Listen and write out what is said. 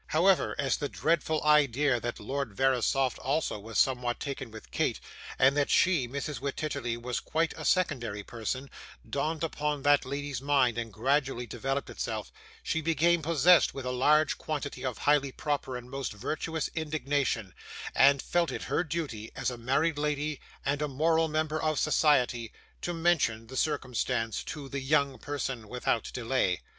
However, as the dreadful idea that Lord Verisopht also was somewhat taken with Kate, and that she, Mrs. Wititterly, was quite a secondary person, dawned upon that lady's mind and gradually developed itself, she became possessed with a large quantity of highly proper and most virtuous indignation, and felt it her duty, as a married lady and a moral member of society, to mention the circumstance to 'the young person' without delay.